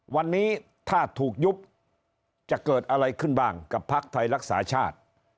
วันนี้ถ้าถูกยุบจะเกิดอะไรขึ้นบ้างกับพักไทยรักษาชาติ